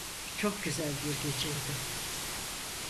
Çok güzel bir geceydi.